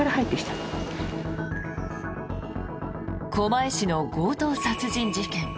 狛江市の強盗殺人事件。